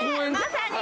・まさに。